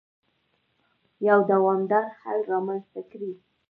يو دوامدار حل رامنځته کړي.